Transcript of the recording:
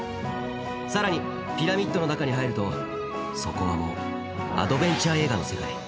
さらにピラミッドの中に入るとそこはもうアドベンチャー映画の世界。